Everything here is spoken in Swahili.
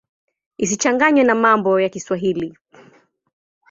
Isichanganywe na mambo ya Kiswahili.